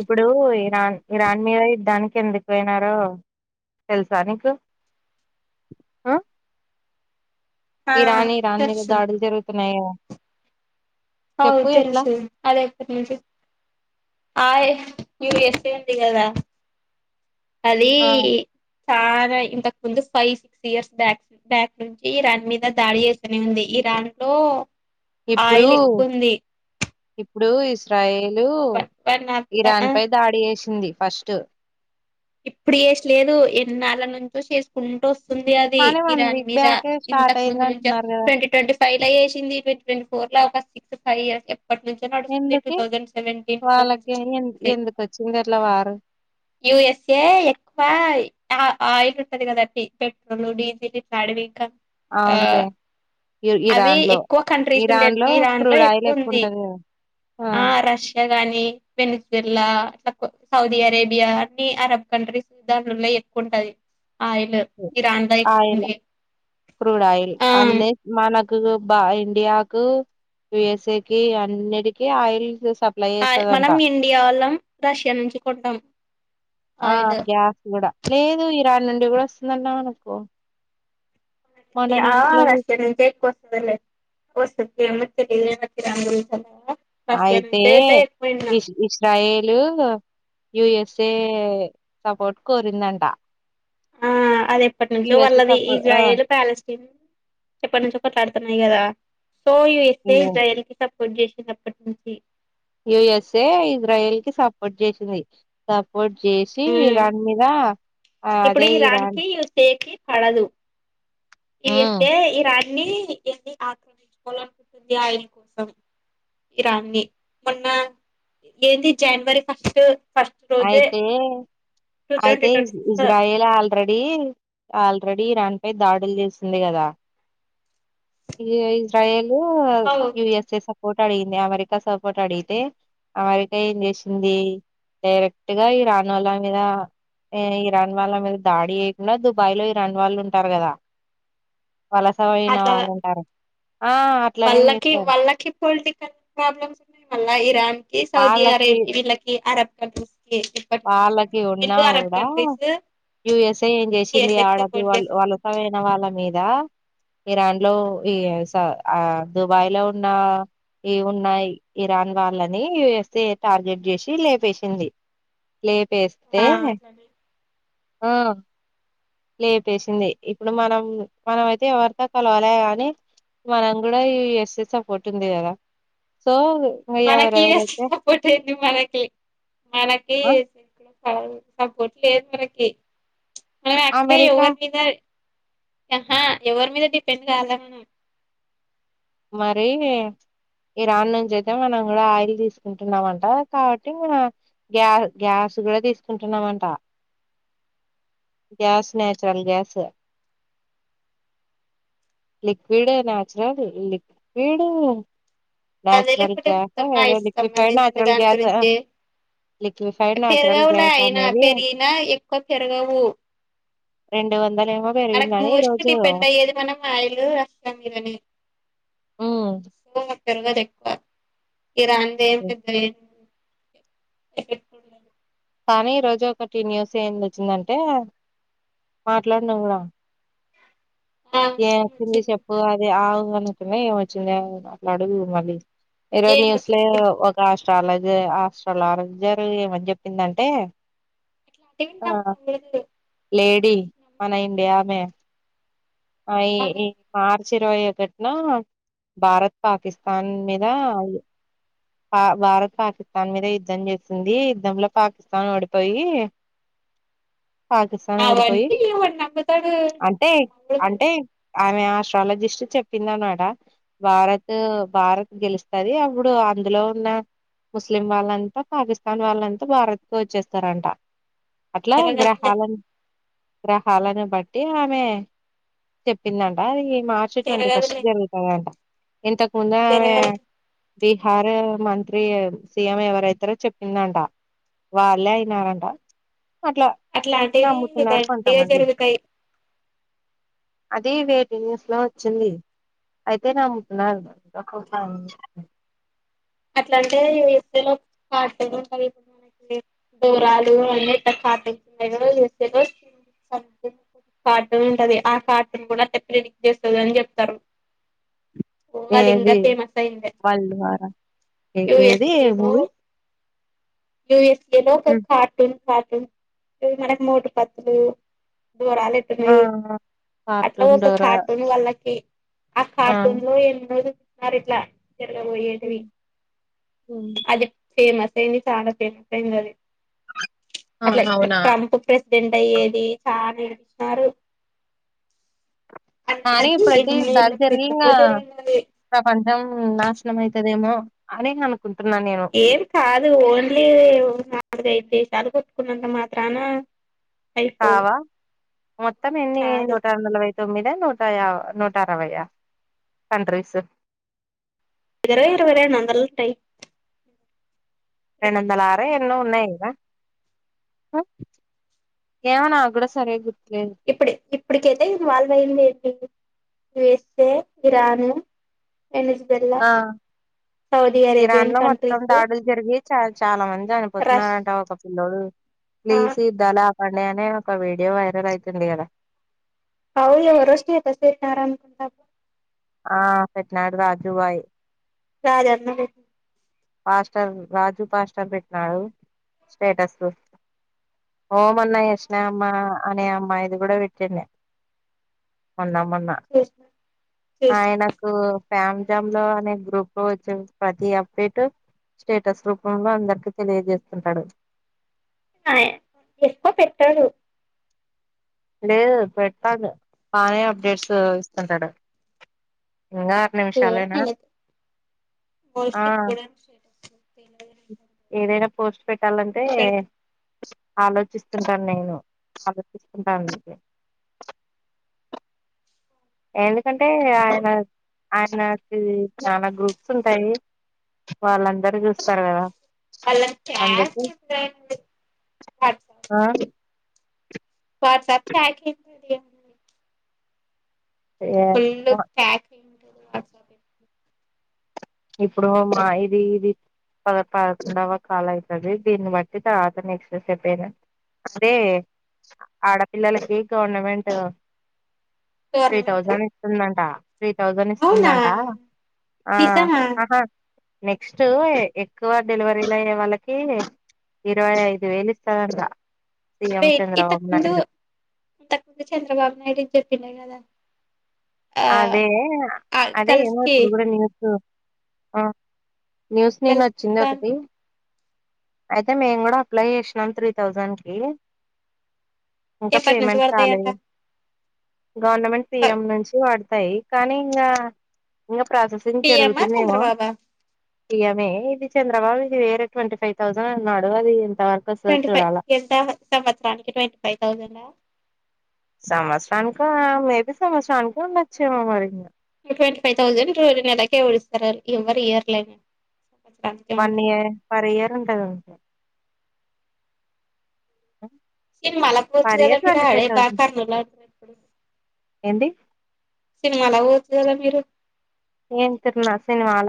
ఇప్పుడు Iran Iran మీద యుద్దానికి ఎందుకు పోయినారో తెల్సా నీకు అ ఆ ఇరాన్ ఇరన్ మీద తెర్సు దాడులు జరుగుతున్నాఏమో అవ్ తెలుసు అదేఎపునుంచో ఆయ్ మీరు ఎస్పీలెన్ కదా [inaudible] అది ఆ చాలా ఇంతకు ముందు five six years back back నుంచి ఇరాన్ మీద దాడి చేస్తనే ఉంది దాంతో ఇప్పుడు ఇప్పుడు ఇస్రాయల్ ఇప్పుడు వన్ ఆఫ్ ద ఇరాన్ పై దాడి చేేసింది ఫస్ట్ ఇప్పుడు చేసిలేదు ఎన్నాళ్ళ నుంచో చేసుకుంట ఒస్ ఉంది అది కానీ వన్ ఇరాన్ వీక్ మీద బ్యాకే స్టార్ట్ ఇంతకు అయింది ముందు నుంచి అంటున్నారు కదా ట్వంటీ ట్వంటీ ఫైల ఏసింది ట్వంటి ట్వంటి ఫోర్ ల ఒక సిక్స్ ఫైవ్ ఇయర్స్ ఎప్ ఎప్పటి నుంచో నడుస్తుంది టూ ఎందుకి థౌజండ్ సెవెంటీన్, టూ థౌజండ్ వాళ్ళకి సిక్స్టీన్ ఎన్- నుంచే ఎందుకు వచ్చింది అట్లా వారు యుూ ఎస్ ఏ టె ఎక్కువా అహా ఆయిల్ ఉంటది గదండి పెట్రోలు, డీజిలు ఇట్ల అడవి ఇంకా ఆ అవును లే ఇ అవి ఇరాన్ లో ఎక్కువ కంట్రీస్ ఉండే ఇరాన్ లో ఈ దాంట్లో క్రూడ్ ఆయిల్ ఎక్కువ ఉంది ఎక్కువంటది కదా ఆ రష్యా గాని వెనుజిల్లా కొ సౌదీ అరేబియా అన్ని అరబ్ కంట్రీస్ దాంట్లల్లో ఎక్కువుంటది ఆయిల్ క్రూడ్ ఆయిల్ ఆ అన్ని మనక్ ఇండియాకు యుస్ఏ కి అన్నిటికి ఆయిల్ సప్లై ఆ చేస్తదంట మనం ఇండియా వాళ్ళం రష్యా నుంచి కొంటాం ఆ ఆయిల్ గ్యాస్ కూడా లేదు ఇరాన్ నుండి కూడా వస్తుందంట మనకు మొన్న న్యూస్ లో [inaudible] చూసిన ఇంక [unintelligible] రంగు రుద్దలేదా అయితే ఇష్ ఇ స్టయిలు యుఎస్ఏ సపోర్ట్ కోరిందంట ఆ అది ఎప్పటి నుంచో యుఎస్ఏ వాళ్ళది సపోర్ట్ ఆ ఇజ్రాయల్ ప్యాలెస్తీన్ ఎప్పటి నుంచో కొట్లాడుతున్నారు ది కదా సో యూఎస్ఎ ఇజ్రాయిల్ కి సపోర్ట్ చేసినప్పటి నుంచి యుఎస్ఏ ఇజ్రాయెల్ కి సపోర్ట్ చేసింది స పోట్ చేసి మ్మ్ ఇరాన్ మీద ఇప్పుడు ఇరాన్ కి యూఎస్ఎ కి పడదు ఉమ్ ఇదిస్తే ఇరాన్ని [unintelligible] ఆక్రమించుకోవాలనుకుంటుంది ఆయిల్ కోసం ఇరాన్ ది మొన్న ఏంది జనవరి ఫస్ట్ ఫస్ట్ రోజే అయితే టూ ట్వంటీ అయితే ఇస్ twenty six ఇజ్రాయ్ Lal ready already రాని పై దాడులు చేసింది కదా ఇగ ఇజ్రయేలు యుఎస్ఏ స సపోర్ట్ అడిగింది అమెరికా సపోర్ట్ అడిగితే అమెరికా ఏం చేసింది డైరెక్ట్ గా ఇరానాల మీద ఇరాన్ వాళ్ళ మీద దాడి చేయకుండా దుబాయ్ లో ఇరాన్ వాళ్ళు ఉంటారు కదా వలసపోయినా అట్లా వాళ్ల వాళ్ళకి వాళ్ళకి పొలిటికల్ ప్రాబ్లమ్స్ ఉన్నాయి మళ్ళ ఇరాన్ కి సౌదీ వాళ్ళకి అరేబియా కి అరబ్ కంట్రీస్ కి ఇప్పటి నుంచో వాలకి ఉన్నా వీళ్ళు అరబ్ కూడా కంట్రీస్ యుఎస్ఏ ఏం చేసింది యుఎస్ఏకి ఆడకి సపోర్ట్ వల చేస్తారు వలసవైన వాళ్ళ మీద ఇరాన్ లో ఈ సా ఆ దుబాయ్ లో ఉన్న ఈ ఉన్నాయి ఇరాన్ వాళ్ళని యుఎస్ఏ టార్గెట్ చేసి లేపేసింది లేపేస్తే ఆ అట్లనే ఆ లేపేసింది ఇప్పుడు మనం మనం అయితే ఎవరితో కలవలే గని మనం కూడా యూఎస్ఎ సపోర్ట్ ఉంది కదా సో ఇంగ మనకి వస్తే ఎవరెవరైతే సపోర్ట్ ఏంది మనకి మనకి ఆ [unintelligible] సపోర్ట్ లేదు మనకి మనం ఆక్చువల్ అమెరికా యువత మీద ఆహా ఎవరి మీద డిపెండ్ కాలే మనం మరీ ఇరాన్ నుంచి అయితే మనం కూడా ఆయిల్ తీసుకుంటున్నామంట కాబట్టి మన గ్యాస్ గ్యాస్ కూడా తీసుకుంటున్నామంట gas natural gas liquid natural liquid అదే నచరల్ లేకుంటే గ్యాస్ మొత్తం ఆయిల్స్ లిక్విడ్ సంబంధించిన నచరల్ దాని గ్యాస్ గురించి క్విఫైడ్ నాచురల్ పెరగవులే గ్యాస్ అయినా అది పెరిగినా ఎక్కువ పెరగవు రెండు వందలు మనకు మోస్ట్లీ డిపెండ్ అయ్యేది మనం ఆయిలు వస్తం మీదని ఉమ్ పర్వాత ఎక్కువ ఇ రాదం పెద్ద [inaudible] బ కానీ ఈ రోజు ఒకటి న్యూస్ ఏంది వచ్చిందంటే మాట్లాడు నువ్వే [inaudible] ఆ ఏం వచ్చింది ఏమొచ్చింది చెప్పు అది ఆవు అనుంటన్నా ఏమొచ్చింది అట్లాడుదు మళ్ళీ [inaudible] ఇరవై న్యూస్లే ఏమొచ్చింది ఒక ఆస్ట్రాలజర్ ఆస్ట్రాలజర్ ఏమని చెప్పిందంటే ఇట్లా ఆ అంటివింటం తలేదు [inaudible] లేడీ మన ఇండియా అమే ఆ రాలే ఇరవై ఒకటిన భారత్ పాకిస్తాన్ మీదయ పా భారత్ పాకిస్తాన్ మీద యుద్ధం చేసింది యుద్ధంలో పాకిస్తాన్ ఓడిపోయి పాకిస్తాన్ ఓడిపోయి అవండి అతడు అంటే అంటే ఆమె ఆస్ట్రాలజిస్ట్ చెప్పిందినమాట. భారత్ భారత్ గెలుస్తది అప్పుడు అందులో ఉన్న ముస్లిం వాళ్ళంతా, పాకిస్తాన్ వాళ్ళంతా భారత్ కే వచ్చేస్తారంట. అట్లా జరగదులే గ్రహాలను గ్రహాలను బట్టి ఆమె చెప్పిందంట! అది మార్చ్ ట్వంటీ ఫస్ట్ జరగదులే జరగు తాదంట. ఇంతకుముందే ఆమె జరగదు బీహార్ మంత్రి సీ ఎం ఎవరైతారో చెప్పిందంట. వాల్లే అయినారంట. అట్లా అట్లాంటివి నమ్ముతున్నారు దండిగా కొంతమంది. జరుగుతాయి అది వే టు న్యూస్ లో వచ్చింది. అయితే నమ్ముతున్నారు ఒక [unintelligible] అట్లా అంటే కలిగుంది దరాాల కార్టూన్ ఉంటది ఆ కార్టూన్ కూడా టప్పలు ఎక్ చేస్తుంది అని చెప్తారు ఓ అది ఇకా ఏది ఫేమస్ా ఇంద వరల్డ్ వార్ ఏది ఏ ఎస్ఏ లో మూవీ ఎస్ఏలో ఒక కార్టన్ ఇ మకు మోటు పత్రలు దూరాలు ఆ ఎతున్నాయి అట్లా కార్టూన్ ఒక డోరా కార్టూన్ వాళ్ళకి ఆ కార్టూన్ లో ఎన్నో చూస్తున్నారు ఇట్లా జరగబోయేటివి హ్మ్మ్ అది ఫేమస్ అయింది చాలా ఫేమస్ అయిందది. ఆ అట్లా అవునా ట్రంప్ ప్రెసిడెంట్ అయ్యేది చాల నిలిచినారు. కానీ ఇప్పుడైతే ఎన్నేళ్ల క్రితంలో [unintelligible] జరిగినది ప్రపంచం నాశనం అయితాదేమో! అదను ఏం కాదు ఓన్లీ నాలుగైదు సీసాలు కొొట్టుకున్నంత మాత్రాన అయిపోవు కావా మొత్తమేన్ని కాదు నూట నలవై తొమ్మిద నూట నూటరవై కంట్రీసు విగరవ ఇరవరనా అందలట్టయి రెండొందల ఆరో ఎన్నో ఉన్నాయి కదా? ఎవనా ఆగడ సరే ఇప్పుడి ఇప్పు ఇప్పటికైతే ఇ వాళ్ళ అయిందిడి యుఎస్ఏ ఇరాన్ ఎనిజబెల్ ఆ సౌదీ ఇరాన్ అరేబ్యన్ లో మొత్తం కంట్రీస్ దాడులు జరిగి చ చాలా మంది రష్ చనిపోతున్నారంట ఒక పిల్లోడు, పీసిద్దలా మండే నే ఒక ఒక వీడియో వైరలైతుంది గద అవు ఎవ రోషని స ఆరాం కంటాబ [inaudible] [unintelligible] ఆ పెట్నాడు రాజు బాయి రాజన్న పాస్టర్ రాజు పాస్టర్ పెట్టినాడు స్టేటస్సు ఓ మొన్న యశనా అమ్మ అనే అమ్మాయిది కూడా పెట్టిండే. మొన్న మొన్నా చూసిన చేసిన ఆయనకు ఫ్యామ్ జామ్ లో అనే గ్రూప్ లో వచ్చేసి ప్రతి అబ్ పెట్ స్టేటస్ రూపంలో అందరికీ తెలియజేస్తుంటాడు. ఆ ఎప్ప పెట్టరు లేదు పెడతాడు ఆయనే అప్డేట్స్ ఇస్తుంటాడు. ఇంగా ఆరు ఏ నిమిషాలేనా నేనైతే ప ఏదైనా పోస్ట్ పెట్టాలంటే ఆలోచిస్తుంటాను నేను ఆలోచిస్తుంటా అందుకే ఎందుకంటే ఆయన ఆయనకి చాలా గ్రూప్స్ ఉంటాయి వాళ్ళందరు చూ స్తరు కదా వాళ్ళని ట్యాగ్ అందుకే ఎప్పుడైనా ఆ వాట్సప్ చాటింగ్ ఫుల్ ఏమో ఇప్పుడు మా ఇది ఇది పద పదకొండవ కాల్ అయితది దీన్ని బట్టి తర్వాత నెక్స్ట్ ఏంటి అనేది అదే ఆడపిల్లలకి గవర్నమెంట్ త్రీ గవర్నమెంట్ థౌజండ్ ఇస్తుందంట త్రీ థౌజండ్ అవునా ఇస్తుందంట ఆ నిజమా ఆహా నెక్స్ట్ ఎక్కువ డెలివరీలు అయ్యే వాళ్ళకి ఇరవై ఐదు వేలు ఇస్తాడంటా వెయిట్ ఇంతకుముందు ఇంతకుముందు చంద్రబాబు నాయుడు చెప్పిన కదా అదే ఆ అదే గర్ల్స్ ఏమో కి ఇప్పుడు కూడా న్యూస్ ఆ న్యూస్ నిన్న గర్ల్స్ కి వచ్చింది ఇస్తా ఒకటి అయితే మేము కూడా అప్లై చేసినాం త్రీ థౌజండ్కి ఇంకా ఎప్పటి నుంచి పేమెంట్ పడతాయంట కాలేదు గవర్నమెంట్ పిఎం నుంచి పడతాయి కానీ ఇంకా ఇం ప్రాసెసింగ్ పిఎమ్మా జరుగుతుందేమో చంద్రబాబా ఇయమే ఇది చంద్రబాబు ఇది వేర ట్వంటీ ఫైవ్ థౌజండ్ అన్నాడు అది వరకు వస్తుందో ట్వంటీ ఫైవ్ చూడాలా ఎంత సంవత్సరానికి ట్వంటీ ఫైవ్ థౌసండ్ ఆ సంవత్సరానిక మేబి సంవత్సరానికి ఉండొచ్చేమో మరి ట్వీటీ ఫైవ్ థౌసండ్ రోజ ఎదకేడిస్తారు ఎవ్వరు ఇయ్యారులే వన్ ఇయర్ పెర్ ఇయర్ ఉండదు [unintelligible] సినిమాలా వతు per year twenty five thousand ఏంది గాల మీరు ఏం తిరున్నా సినిమాల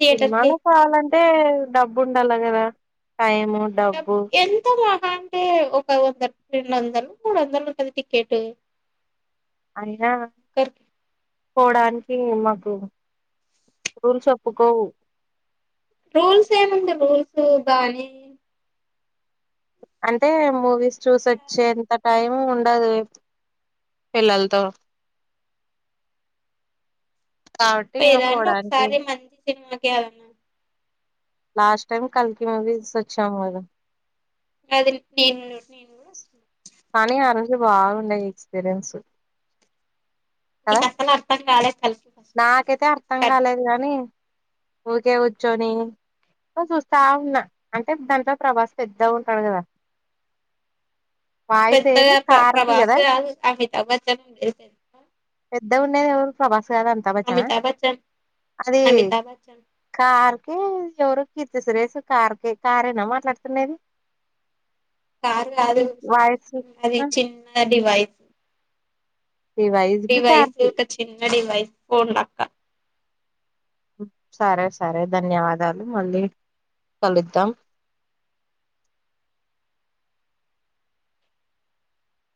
థియేటర్ కి సినిమాలో కావాలంటే అయితే డబ్బు ఉండాలా కదా టైము డబ్బు ఎంత మహా అంటే ఒక వంద రెండు వందలు మూడు వందలు ఉంటది టికెట్ అయినా ఒక్కరికి పోవడానికి మాకు రూల్స్ ఒప్పుకోవు రూల్స్ ఏముంది రూల్స్ బానే అంటే మూవీస్ చూసోచ్చేంత టైం ఉండదు పిల్లలతో [inaudible] కాబట్టి ఇంకా పోయిదండి పోవడానికి ఒకసారి మంచి సినిమాకి వెదన్నా లాస్ట్ టైమ్ కల్కి మూవీ వచ్చాము ఇగ అది టిన్ టిన్ బగ్గునాయి ఎక్స్పీరియన్స్ నీకు కదా కసలు అర్థం కాలే చాల నాకైతే అర్థం కాలేదు గానీ ఓకే వచ్చోని చూస్తా ఉన్నా అంటే దాంట్లో ప్రభాస్ పెద్దాగా ఉంటాడు కదా [inaudible] వాయిస్ ఏది పెద్దగా ప్ర కార్కి ప్రభాస్ కదా కాదు అమితాభ బచ్చ్చాన్ పెద్ద ఉండేది ఎవరు ప్రభాస్ కాదా అమితాబ్ బచ్చఛన్ బచ్చన్ ఆ అది అమితాబ్ బచ్చన్ కార్ హే ఎవరు కీర్తి సురేసు కార్కి కారేనా మాట్లాడుతున్నది కారు కాదు వాయిస్ అది ఆ చిన్న డివైస్ ఈ వయసుకి డివైస్ కార్కి ఒక చిన్న డివైస్ ఫోన్లాగా సరే సరే ధన్యవాదాలు మళ్ళీ కలుద్దాం [unintelligible]